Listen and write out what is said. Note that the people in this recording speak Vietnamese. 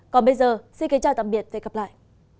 còn bây giờ xin kính chào tạm biệt và hẹn gặp lại